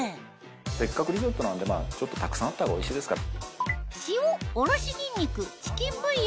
せっかくリゾットなのでたくさんあったほうがおいしいですから。